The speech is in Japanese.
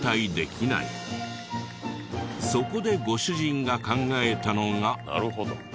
そこでご主人が考えたのが。